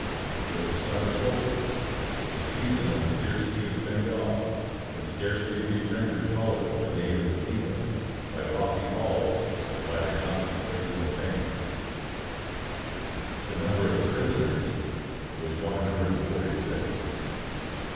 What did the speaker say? It was the summer solstice, the season when the fierce heat of Bengal can scarcely be rendered tolerable to natives of England by lofty halls and by the constant waving of fans. The number of the prisoners was one hundred and forty six.